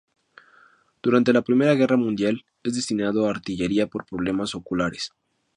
Durante la Primera Guerra Mundial es destinado a artillería por problemas oculares.